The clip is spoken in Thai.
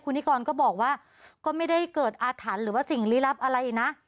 คุณนิกรก็บอกว่าก็ไม่ได้เกิดอาถรรพ์หรือว่าสิ่งลี้ลับอะไรนะ